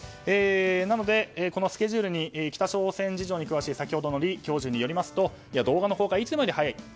なので、このスケジュール北朝鮮事情に詳しい先ほどの李教授によりますと動画の公開はいつもより早い。